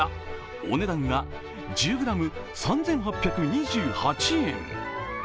お値段は１０ｇ、３８２８円。